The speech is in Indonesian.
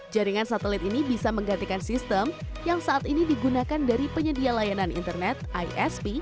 jaringan satelit ini bisa menggantikan sistem yang saat ini digunakan dari penyedia layanan internet isp